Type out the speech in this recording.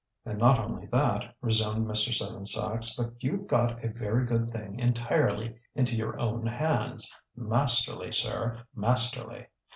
"And not only that," resumed Mr. Seven Sachs, "but you've got a very good thing entirely into your own hands! Masterly, sir! Masterly!